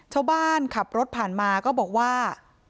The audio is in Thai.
ชาวบ้านขับรถผ่านมาก็บอกว่า